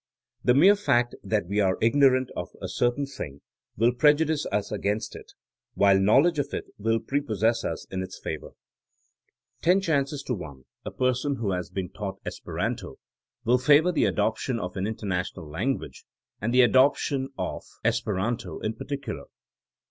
The mere fact that we are ignorant of a cer tain thing will prejudice us against it, while knowledge of it will prepossess us in its favor. Ten chances to one a person who has been taught Esperanto will favor the adoption of an international language — and the adoption of 106 THINEINO AS A 80IEN0E Esperanto in particular.